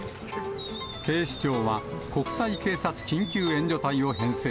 警視庁は、国際警察緊急援助隊を編成。